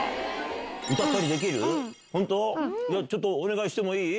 ちょっとお願いしてもいい？